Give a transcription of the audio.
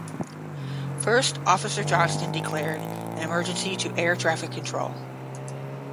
First officer Johnston declared an emergency to air traffic control.